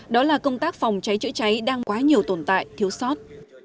đó là công tác phòng cháy chữa cháy đang quá nhiều tồn tại thiếu sót